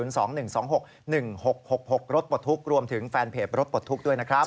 รถปลดทุกข์รวมถึงแฟนเพจรถปลดทุกข์ด้วยนะครับ